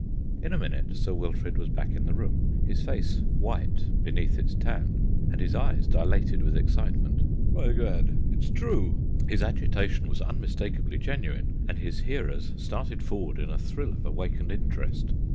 In a minute Sir Wilfrid was back in the room, his face white beneath its tan and his eyes dilated with excitement. "By Gad, it's true!" His agitation was unmistakably genuine, and his hearers started forward in a thrill of awakened interest.